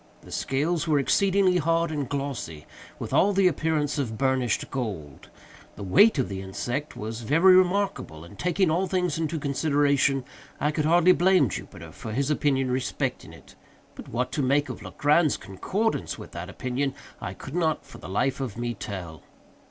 The scales were exceedingly hard and glossy, with all the appearance of burnished gold. The weight of the insect was very remarkable, and, taking all things into consideration, I could hardly blame Jupiter for his opinion respecting it; but what to make of Legrand's concordance with that opinion, I could not, for the life of me, tell.